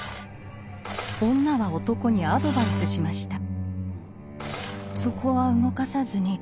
女は男にアドバイスしました。